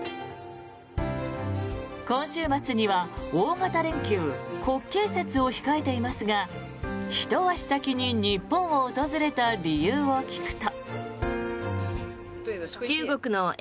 今週末には大型連休、国慶節を控えていますがひと足先に日本を訪れた理由を聞くと。